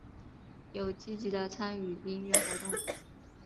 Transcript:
有积极的参与音乐活动。